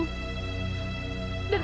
sum ada apa